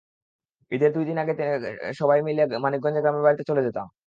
ঈদের দুই তিনি দিন আগে সবাই মিলে মানিকগঞ্জে গ্রামের বাড়িতে চলে যেতাম।